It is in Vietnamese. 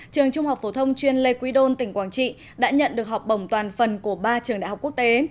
trường trung học phổ thông chuyên lê quý đôn tỉnh quảng trị đã nhận được học bổng toàn phần của ba trường đại học quốc tế